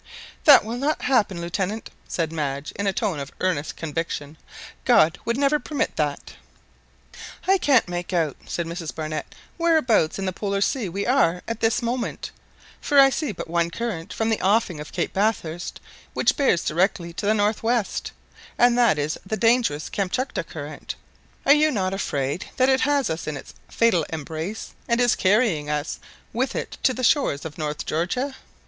"That will not happen, Lieutenant," said Madge in a tone of earnest conviction; "God would never permit that." "I can't make out," said Mrs Barnett, "whereabouts in the Polar Sea we are at this moment; for I see but one current from the offing of Cape Bathurst which bears directly to the north west, and that is the dangerous Kamtchatka Current. Are you not afraid that it has us in its fatal embrace, and is carrying us with it to the shores of North Georgia?"